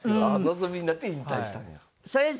のぞみになって引退したんや。